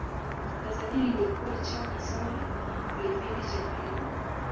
tanzania ilikuwa changa sana lipindi cha mwalimu